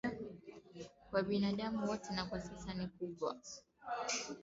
kwa binadamu wote na kwa sasa ni kubwa